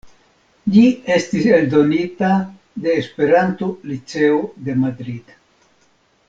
Ĝi estis eldonita de Esperanto-Liceo de Madrid.